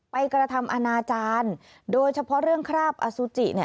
ไปกระทำอาณาจารย์โดยเฉพาะเรื่องคราวอซุจิ